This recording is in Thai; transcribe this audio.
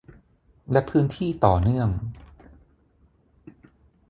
และพื้นที่ต่อเนื่อง